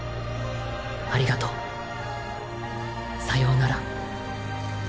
ありがとう。さようなら」。